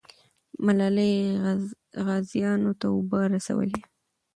ملالۍ غازیانو ته اوبه رسولې.